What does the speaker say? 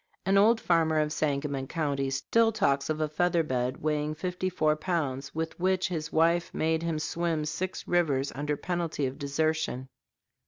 An old farmer of Sangamon County still talks of a featherbed weighing fifty four pounds with which his wife made him swim six rivers under penalty of desertion.